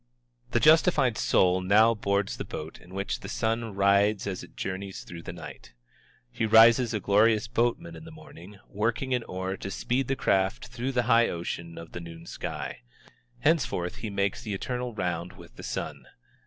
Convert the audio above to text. The justified soul now boards the boat in which the sun rides as it journeys through the night. He rises a glorious boatman in the morning, working an oar to speed the craft through the high ocean of the noon sky. Henceforth he makes the eternal round with the sun.